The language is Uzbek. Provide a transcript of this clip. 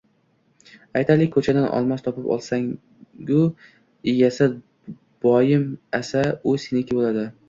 Aytaylik, ko‘chadan olmos topib olsang-u egasi boim asa, u seniki bo‘ladi.